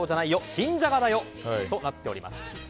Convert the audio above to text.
新ジャガだよとなっております。